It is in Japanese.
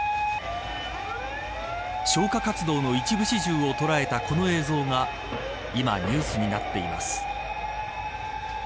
消火活動の一部始終を捉えたこの映像が今、ニュースになっています。